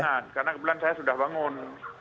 jangan karena kebetulan saya sudah bangun